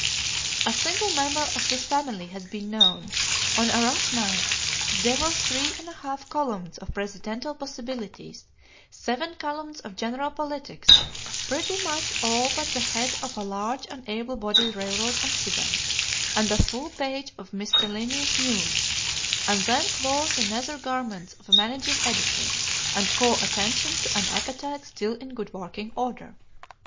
A single member of this family has been known, on a 'rush' night, to devour three and a half columns of presidential possibilities, seven columns of general politics, pretty much all but the head of a large and able bodied railroad accident, and a full page of miscellaneous news, and then claw the nether garments of the managing editor, and call attention to an appetite still in good working order.